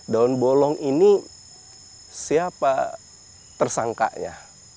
daun bolong ini siapa tersangkanya